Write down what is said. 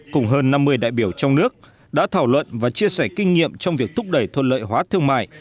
cùng hơn năm mươi đại biểu trong nước đã thảo luận và chia sẻ kinh nghiệm trong việc thúc đẩy thuận lợi hóa thương mại